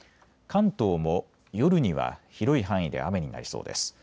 関東も夜には広い範囲で雨になりそうです。